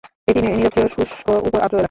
এটি নিরক্ষীয় শুষ্ক উপ-আর্দ্র এলাকা।